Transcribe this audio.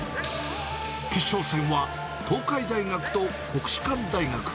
決勝戦は、東海大学と国士舘大学。